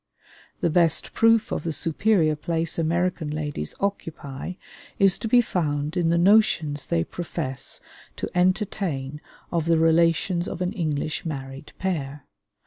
The best proof of the superior place American ladies occupy is to be found in the notions they profess to entertain of the relations of an English married pair.